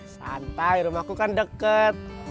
santai rumahku kan deket